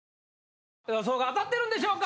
予想が当たってるんでしょうか。